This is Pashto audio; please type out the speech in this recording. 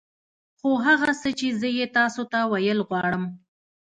خو هغه څه چې زه يې تاسو ته ويل غواړم.